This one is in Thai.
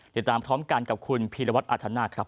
เดี๋ยวตามพร้อมกันกับคุณพีรวัตน์อาทนาครับ